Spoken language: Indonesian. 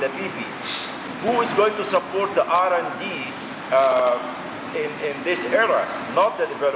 tapi untuk pemerintah yang berkembang